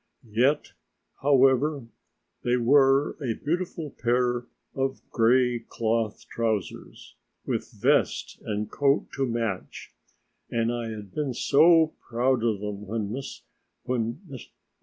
Yet, however, they were a beautiful pair of gray cloth trousers, with vest and coat to match, and I had been so proud of them when M.